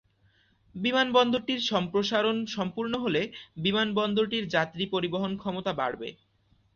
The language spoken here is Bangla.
বিমানবন্দরটির সম্প্রসারণ সম্পূর্ণ হলে বিমানবন্দরটির যাত্রী পরিবহন ক্ষমতা বাড়বে।